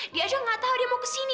dia juga gak tau dia mau ke sini